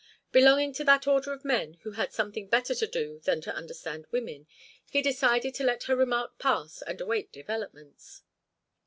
Belonging to that order of men who have something better to do than to understand women, he decided to let her remark pass and await developments.